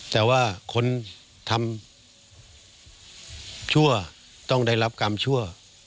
แต่ว่าคนทำชั่วต้องได้รับกรรมชั่ว